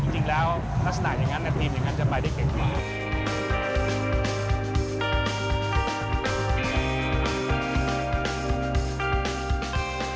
จริงแล้วลักษณะอย่างนั้นทีมอย่างนั้นจะไปได้เก่งกว่า